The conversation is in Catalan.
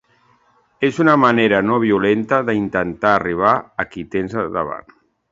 És una manera no violenta d’intentar arribar a qui tens davant.